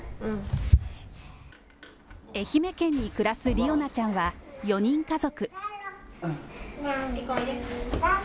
愛媛県に暮らす理央奈ちゃんは４人家族。